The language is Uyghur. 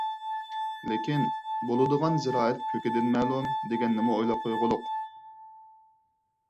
لېكىن، بولىدىغان زىرائەت كۆكىدىن مەلۇم دېگەننىمۇ ئويلاپ قويغۇلۇق!